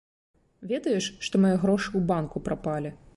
Ведаеш, што мае грошы ў банку прапалі?